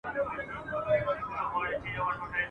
هم د زرکو هم د سوی په ځان بلا وو ..